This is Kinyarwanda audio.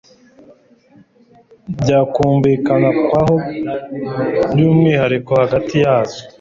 byakumvikanwaho by umwihariko hagati yazo